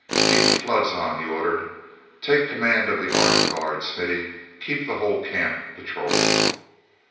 "Keep the floods on!" he ordered. "Take command of the armed guard, Smithy; keep the whole camp patrolled."